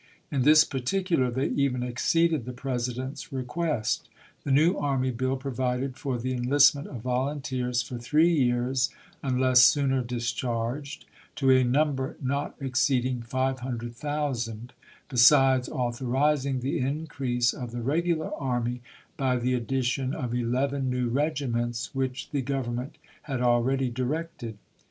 In this particular they evcD exceeded the President's request. The new army bill provided for the enlistment of volunteers for three years, unless sooner discharged, to a number not ex ceeding five hundred thousand, besides author izing the increase of the regular army by the addition of eleven new regiments which the Grovernment had already directed.